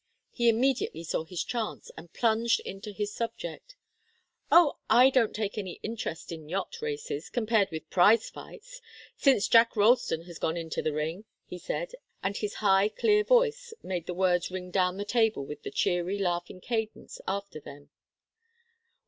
He immediately saw his chance, and plunged into his subject. "Oh, I don't take any interest in yacht races, compared with prize fights, since Jack Ralston has gone into the ring!" he said, and his high, clear voice made the words ring down the table with the cheery, laughing cadence after them.